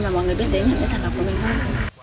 và mọi người biết đến những cái sản phẩm của mình hơn